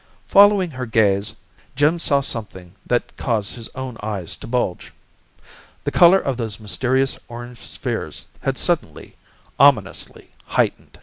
Following her gaze, Jim saw something that caused his own eyes to bulge. The color of those mysterious orange spheres had suddenly, ominously heightened.